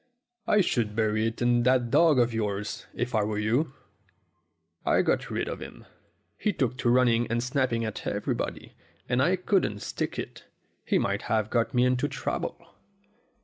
"I should bury it in that dog of yours, if I were you." "I got rid of him. He took to running and snap ping at everybody, and I couldn't stick it. He might have got me into trouble."